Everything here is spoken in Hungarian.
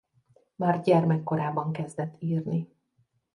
Már gyermekkorában kezdett írni.